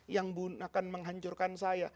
yang akan menghancurkan saya